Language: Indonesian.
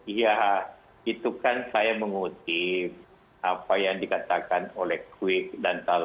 iya itu kan saya mengutip apa yang dikatakan oleh kwi dan talen